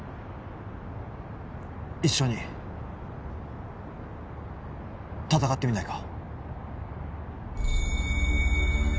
一緒に戦ってみないか？